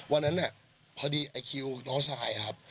วันนั้นเนี่ยพอดีไอ้คิวน้องชายครับ